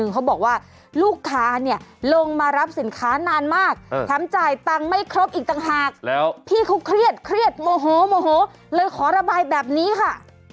ขอระบายแบบนี้ค่ะ